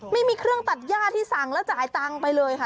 ไม่มีเครื่องตัดย่าที่สั่งแล้วจ่ายตังค์ไปเลยค่ะ